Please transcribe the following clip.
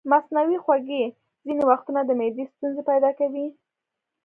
مصنوعي خوږې ځینې وختونه د معدې ستونزې پیدا کوي.